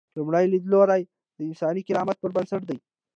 لومړی لیدلوری د انساني کرامت پر بنسټ دی.